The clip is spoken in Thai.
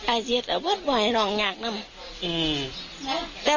ไอ้สิฮัศน์อาวุธให้ไหวน้องมานี่